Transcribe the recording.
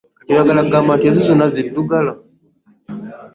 Kati oyagala kugamba nti ezo zonna ziddugala?